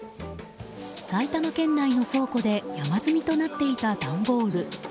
埼玉県内の倉庫で山積みとなっていた段ボール。